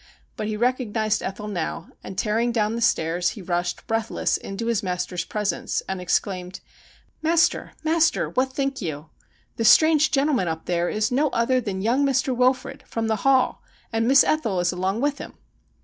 But he recognised Ethel now, and, tearing down the stairs, he rushed breathless into his master's presence, and exclaimed :' Master, master, what think you ? The strange gentleman up there is no other than young Mister Wilfrid, from the Hall, and Miss Ethel is along with him.'